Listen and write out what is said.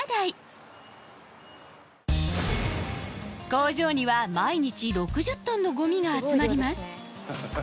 工場には毎日６０トンのゴミが集まります